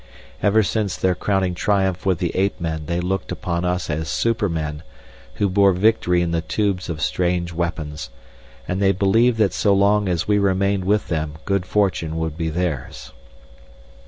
Ever since their crowning triumph with the ape men they looked upon us as supermen, who bore victory in the tubes of strange weapons, and they believed that so long as we remained with them good fortune would be theirs.